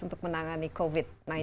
untuk menangani covid sembilan belas